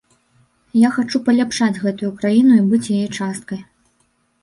Я хачу паляпшаць гэтую краіну і быць яе часткай.